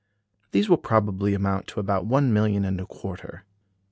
These will probably amount to about one million and a quarter.